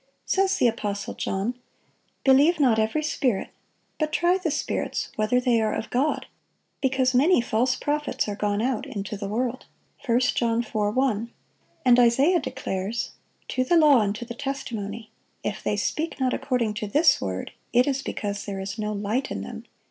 Says the apostle John, "Believe not every spirit, but try the spirits whether they are of God: because many false prophets are gone out into the world." 1 John 4:1. And Isaiah declares, "To the law and to the testimony: if they speak not according to this word, it is because there is no light in them."